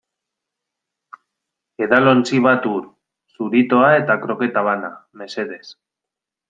Edalontzi bat ur, zuritoa eta kroketa bana, mesedez.